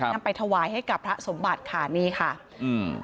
นำไปถวายให้กับพระสมบัติค่ะนี่ค่ะอืม